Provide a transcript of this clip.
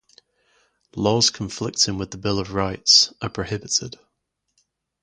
Laws conflicting with the Bill of Rights are prohibited.